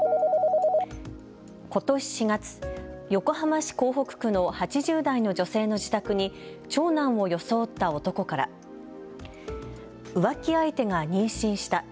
ことし４月、横浜市港北区の８０代の女性の自宅に長男を装った男から浮気相手が妊娠した。